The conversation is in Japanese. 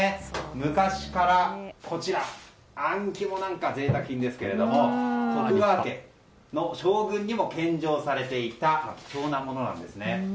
昔から、あん肝などは贅沢品ですが徳川家の将軍にも献上されていた貴重なものなんですね。